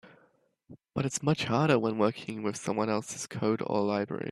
But it's much harder when working with someone else's code or library.